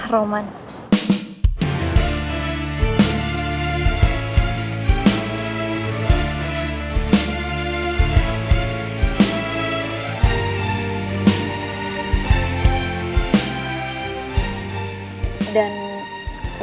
nama itu apa